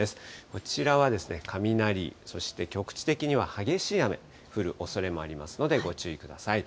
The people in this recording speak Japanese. こちらは雷、そして局地的には激しい雨、降るおそれもありますので、ご注意ください。